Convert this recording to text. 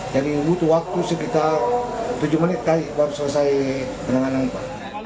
jadi butuh waktu sekitar tujuh menit tadi baru selesai penanganan itu